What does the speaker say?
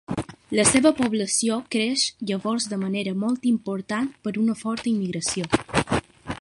La seva població creix llavors de manera molt important per una forta immigració.